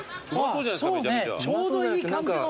ちょうどいい感じの。